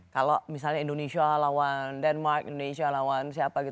kalau misalnya indonesia lawan denmark indonesia lawan siapa